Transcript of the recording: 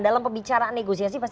dalam pebicaraan negosiasi